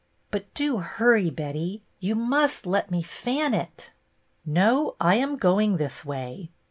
" But do hurry, Betty. You must let me fan it." " No, I am going this way."